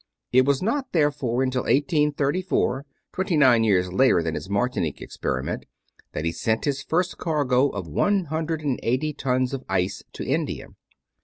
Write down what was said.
It was not, therefore, until 1834, twenty nine years later than his Martinique experiment, that he sent his first cargo of one hundred and eighty tons of ice to India.